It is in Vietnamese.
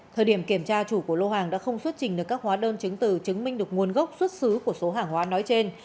thời điểm kiểm tra chủ của lô hàng đã không xuất trình được các hóa đơn chứng từ chứng minh được nguồn gốc xuất xứ của số hàng hóa nói trên